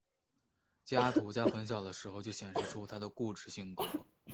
加图在很小的时候就显示出他的固执性格。